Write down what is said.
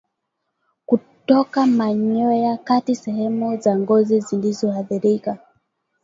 Kutoka manyoya katika sehemu za ngozi zilizoathirika